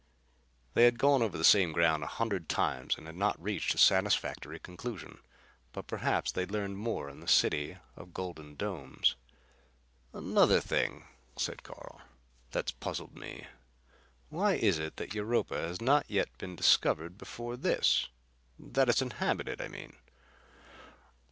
They had gone over the same ground a hundred times and had not reached a satisfactory conclusion. But perhaps they'd learn more in the city of golden domes. "Another thing," said Carr, "that's puzzled me. Why is it that Europa has not been discovered before this; that it's inhabited, I mean?"